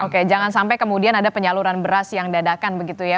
oke jangan sampai kemudian ada penyaluran beras yang dadakan begitu ya